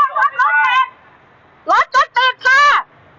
เอามารายจาระจแวลดลอยใส่ผลของผมครับ